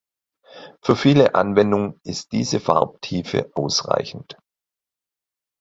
Für viele Anwendungen ist diese Farbtiefe ausreichend.